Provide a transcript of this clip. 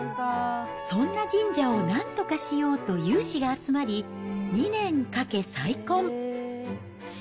そんな神社をなんとかしようと有志が集まり、２年かけ、再建。